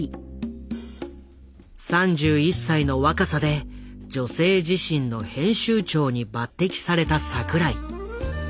３１歳の若さで「女性自身」の編集長に抜擢された櫻井。